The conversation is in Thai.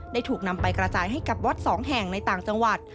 ถูกนำไปกระจายให้กับวัดสองแห่งในต่างจังหวัด